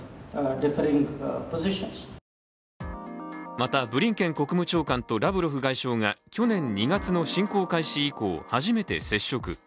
またブリンケン国務長官とラブロフ外相が去年２月の侵攻開始以降、初めて接触。